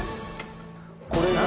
これ何？